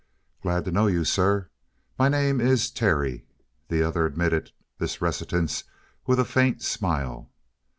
"Glad to know you, sir. My name is Terry." The other admitted this reticence with a faint smile.